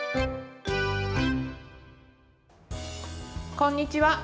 こんにちは。